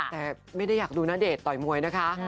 แต่ไม่ได้อยากดูณเดชน์ต่อยมวยนะคะ